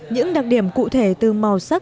những đặc điểm cụ thể từ màu xanh